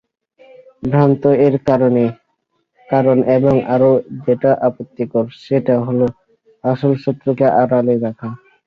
ভ্রান্ত—এর কারণ এবং আরও যেটা আপত্তিকর সেটা হলো আসল শক্রকে আড়ালে রাখা।